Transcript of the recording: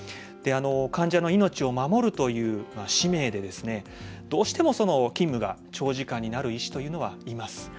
患者の命を守るという使命でどうしても、勤務が長時間に医師というのはいます。